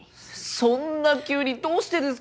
そんな急にどうしてですか？